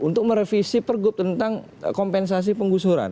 untuk merevisi pergub tentang kompensasi penggusuran